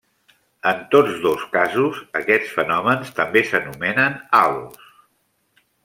En tots dos casos, aquests fenòmens també s’anomenen halos.